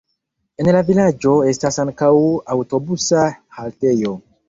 En la vilaĝo estas ankaŭ aŭtobusa haltejo.